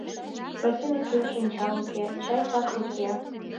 Красин уке, шинчал уке, чай-сакыр уке.